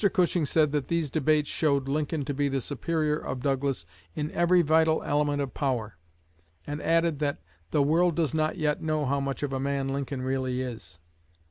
Cushing said that these debates showed Lincoln to be the superior of Douglas "in every vital element of power"; and added that "the world does not yet know how much of a man Lincoln really is."